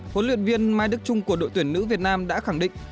huấn luyện viên mai đức trung của đội tuyển nữ việt nam đã khẳng định